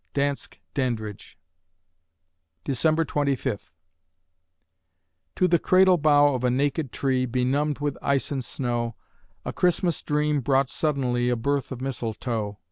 DANSKE DANDRIDGE December Twenty Fifth To the cradle bough of a naked tree, Benumbed with ice and snow, A Christmas dream brought suddenly A birth of mistletoe.